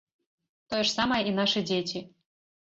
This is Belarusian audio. Тое ж самае і нашы дзеці.